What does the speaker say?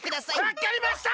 わかりました！